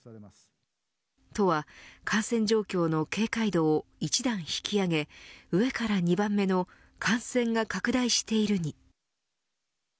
都は感染状況の警戒度を一段引き上げ上から２番目の感染が拡大しているに。